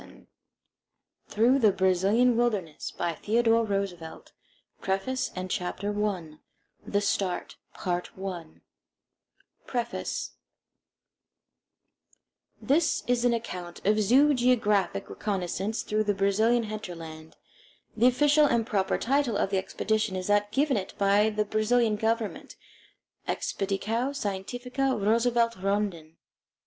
nz THROUGH THE BRAZILIAN WILDERNESS BY THEODORE ROOSEVELT PREFACE This is an account of a zoo geographic reconnaissance through the Brazilian hinterland. The official and proper title of the expedition is that given it by the Brazilian Government: Expedicao Scientifica Roosevelt Rondon.